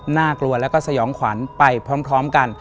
น่ากลัวแล้วก็สยองขวัญไปพร้อมกัน